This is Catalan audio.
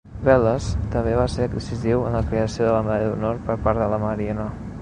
Welles també va ser decisiu en la creació de la Medalla d'Honor per part de la Marina.